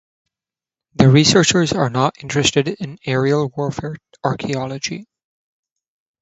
The researchers are not interested in aerial warfare archeology.